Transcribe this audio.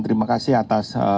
terima kasih atas